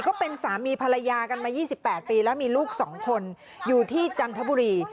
ก็เป็นสามีภรรยากันมา๒๘ปีแล้วมีลูก๒คนอยู่ที่จันทบุรี